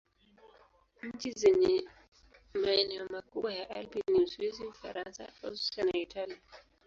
Nchi zenye maeneo makubwa ya Alpi ni Uswisi, Ufaransa, Austria na Italia.